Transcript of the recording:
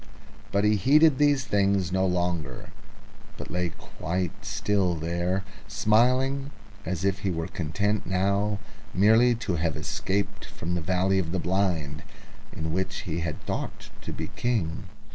But he heeded these things no longer, but lay quite inactive there, smiling as if he were satisfied merely to have escaped from the valley of the Blind in which he had thought to be King.